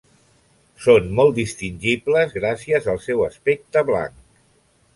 Són molt distingibles gràcies al seu aspecte blanc.